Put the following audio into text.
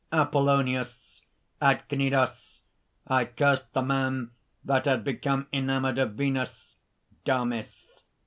APOLLONIUS. "At Cnidos, I cured the man that had become enamored of Venus." DAMIS.